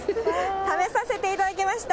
食べさせていただきました。